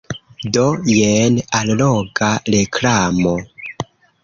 Do jen alloga reklamo.